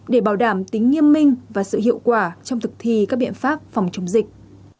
để bảo đảm tính nghiêm minh và sự hiệu quả trong thực thi các biện pháp phòng chống dịch